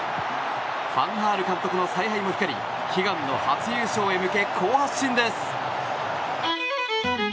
ファンハール監督の采配も光り悲願の初優勝へ向けて好発進です。